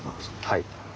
はい。